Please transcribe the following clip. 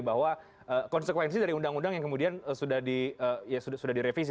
bahwa konsekuensi dari undang undang yang kemudian sudah direvisi